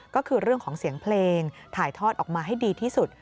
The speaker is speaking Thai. ก็คือเรื่องของเสียงเพลงถ่ายทอดออกมาให้ดีที่สุด